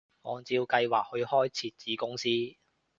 按照計劃去開設子公司